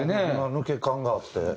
抜け感があって。